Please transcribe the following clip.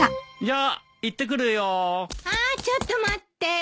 ああちょっと待って。